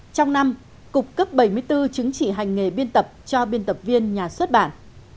trong năm cục cấp bảy mươi bốn chứng chỉ hành nghề biên tập cho biên tập viên nhà xuất bản